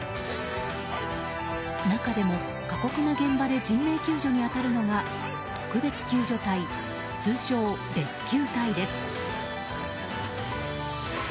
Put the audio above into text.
中でも、過酷な現場で人命救助に当たるのが特別救助隊通称レスキュー隊です。